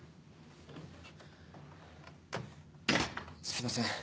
すいません